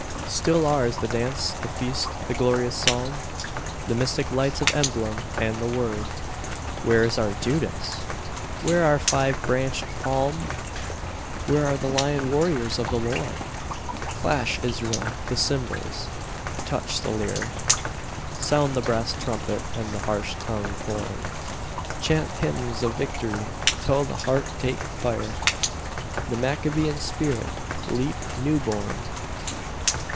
Still ours the dance, the feast, the glorious Psalm, The mystic lights of emblem, and the Word. Where is our Judas? Where our five branched palm? Where are the lion warriors of the Lord? Clash, Israel, the cymbals, touch the lyre, Sound the brass trumpet and the harsh tongued horn, Chant hymns of victory till the heart take fire, The Maccabean spirit leap new born!